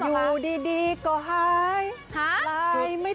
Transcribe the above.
อยู่ดีก็หายหายไม่ต่อ